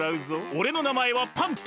おれのなまえはパン太。